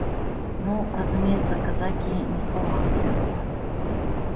Ну, разумеецца, казакі не спалохаліся гэтага.